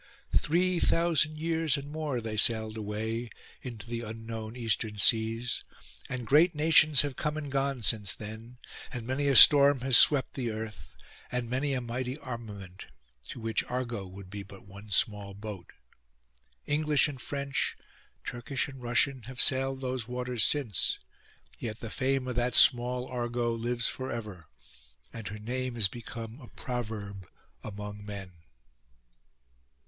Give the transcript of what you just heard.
Three thousand years and more they sailed away, into the unknown Eastern seas; and great nations have come and gone since then, and many a storm has swept the earth; and many a mighty armament, to which Argo would be but one small boat; English and French, Turkish and Russian, have sailed those waters since; yet the fame of that small Argo lives for ever, and her name is become a proverb among men.